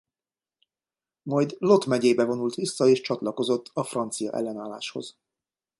Majd Lot megyébe vonult vissza és csatlakozott a francia ellenálláshoz.